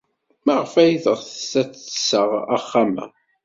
Maɣef ay teɣtes ad d-tseɣ axxam-a?